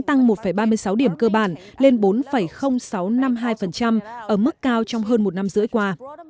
tăng một ba mươi sáu điểm cơ bản lên bốn sáu trăm năm mươi hai ở mức cao trong hơn một năm rưỡi qua